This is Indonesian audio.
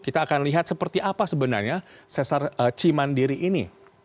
kita akan lihat seperti apa sebenarnya sesar cimandiri ini